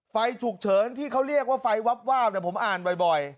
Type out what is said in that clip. ไฟฉุกเฉินที่เขาเรียกว่าไฟวับวาบผมอ่านบ่อย